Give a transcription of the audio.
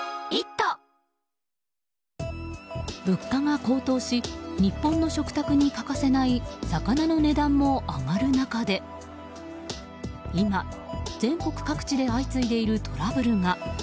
物価が高騰し、日本の食卓に欠かせない魚の値段が上がる中で今、全国各地で相次いでいるトラブルが。